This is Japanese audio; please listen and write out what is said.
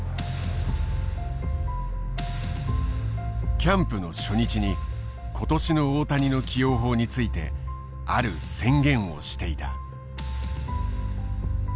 キャンプの初日に今年の大谷の起用法についてある宣言をしていた。